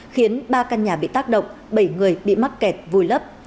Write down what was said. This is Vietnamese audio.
khiến ba căn nhà bị tác động bảy người bị mắc kẹt vùi lấp